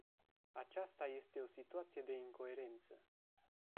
Aceasta este o situație de incoerență.